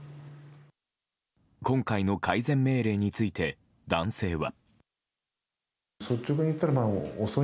今回の改善命令について男性は。